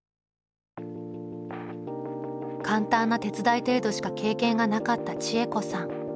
簡単な手伝い程度しか経験がなかった知恵子さん。